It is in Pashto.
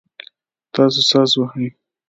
تاسو ساز وهئ؟